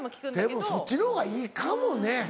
でもそっちのほうがいいかもね。